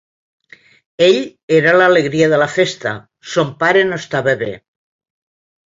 Ell era l'alegria de la festa; son pare no estava bé.